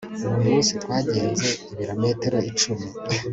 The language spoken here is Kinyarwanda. uwo munsi twagenze ibirometero icumi